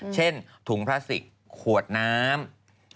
ถุงพลาสติกขวดน้ำ